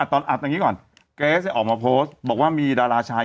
เกรสจะออกมาโพสต์บอกว่ามีดาราชาย